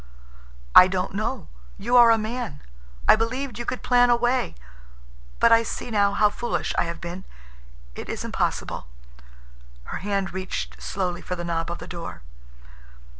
"I don't know. You are a man. I believed you could plan a way, but I see now how foolish I have been. It is impossible." Her hand reached slowly for the knob of the door.